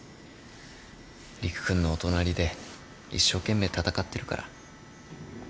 理玖君のお隣で一生懸命闘ってるから。